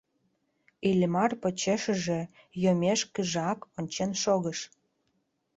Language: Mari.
Иллимар почешыже йоммешкыжак ончен шогыш.